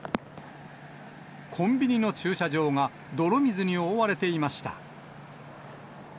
コンビニの駐車場が泥水に覆われていました。